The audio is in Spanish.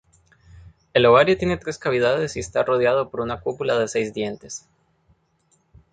El ovario tiene tres cavidades y está rodeado por una cúpula de seis dientes.